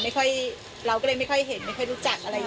เราก็เลยไม่ค่อยเห็นไม่ค่อยรู้จักอะไรอย่างนี้